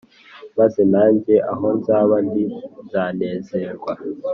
maze nange aho nzaba ndi nzanezerwa.